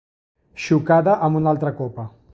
Xocada amb una altra copa.